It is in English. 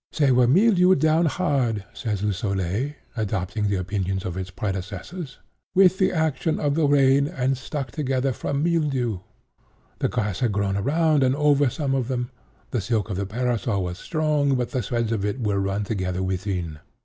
'They were all mildewed down hard,' says Le Soleil, adopting the opinions of its predecessors, 'with the action of the rain, and stuck together from mildew. The grass had grown around and over some of them. The silk of the parasol was strong, but the threads of it were run together within.